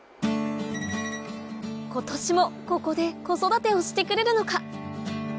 今年もここで子育てをしてくれるのか？